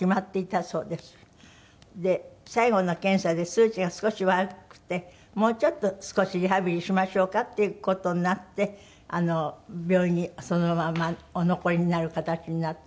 で最後の検査で数値が少し悪くてもうちょっと少しリハビリしましょうかっていう事になって病院にそのままお残りになる形になってたんですよね。